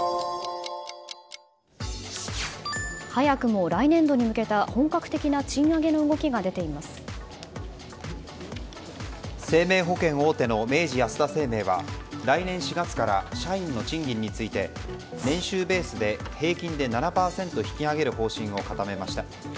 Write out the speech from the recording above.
早くも来年度に向けた本格的な賃上げの生命保険大手の明治安田生命は来年４月から社員の賃金について年収ベースで平均で７％引き上げる方針を固めました。